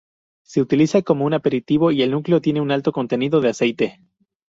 Se utiliza como un aperitivo y el núcleo tiene un alto contenido de aceite.